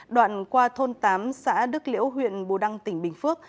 đoạn qua thôn tám xã đức liễu huyện bù đăng tỉnh bình phước